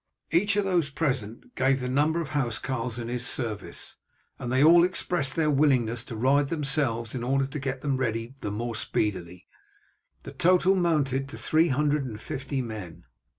Each of those present gave the number of housecarls in his service, and they all expressed their willingness to ride themselves, in order to get them ready the more speedily. The total mounted to three hundred and fifty men.